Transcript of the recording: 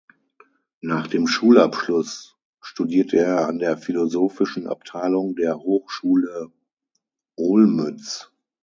Nach dem Schulabschluss studierte er an der philosophischen Abteilung der Hochschule Olmütz.